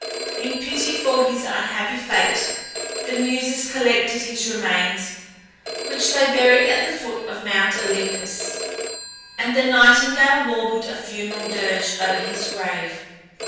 In pity for his unhappy fate, the Muses collected his remains, which they buried at the foot of Mount Olympus, and the nightingale warbled a funeral dirge over his grave.